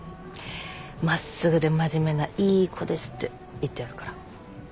真っすぐで真面目ないい子ですって言ってあるから。